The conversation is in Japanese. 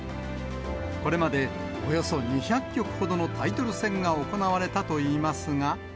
これまで、およそ２００局ほどのタイトル戦が行われたといいますが。